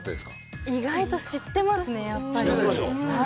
意外と知ってますねやっぱり。